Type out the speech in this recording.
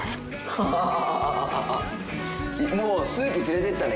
ハハハハ！